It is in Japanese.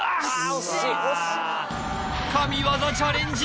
・惜しい神業チャレンジ